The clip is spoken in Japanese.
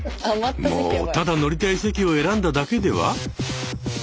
もうただ乗りたい席を選んだだけでは？